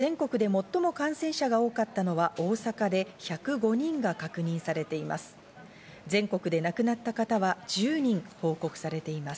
また昨日全国で最も感染者が多かったのは大阪で１０５人が確認されています。